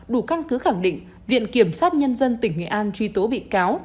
đủ căn cứ khẳng định viện kiểm sát nhân dân tỉnh nghệ an truy tố bị cáo